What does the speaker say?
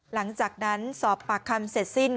หลังจากนั้นสอบปากคำเสร็จสิ้น